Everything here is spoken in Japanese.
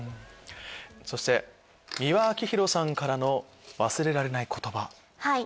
そして美輪明宏さんからの「忘れられない言葉」。